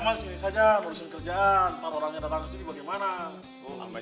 urusan kerjaan nanti orangnya datang ke sini bagaimana